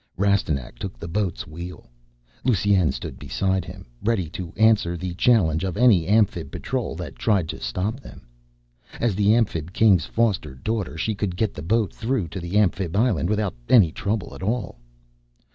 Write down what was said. Rastignac took the boat's wheel. Lusine stood beside him, ready to answer the challenge of any Amphib patrol that tried to stop them. As the Amphib King's foster daughter, she could get the boat through to the Amphib island without any trouble at all.